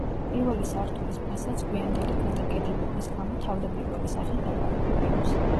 პირველი სართულის ფასადს გვიანდელი გადაკეთებების გამო თავდაპირველი სახე დაკარგული აქვს.